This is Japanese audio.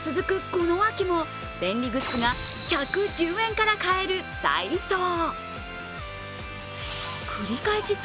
この秋も便利グッズが１１０円から買えるダイソー。